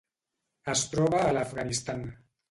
Es troba a l'Afganistan.